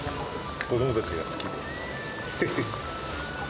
子どもたちが好きで。へへ。